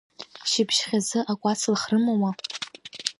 Шьыбжьхьазы акәацлых рымоума?